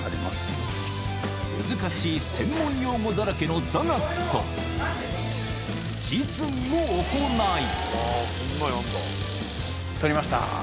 難しい専門用語だらけの実技も行い